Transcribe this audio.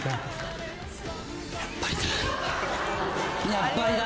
やっぱりな。